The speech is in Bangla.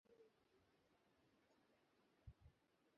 প্লীজ, আমাকে যেতে দিন।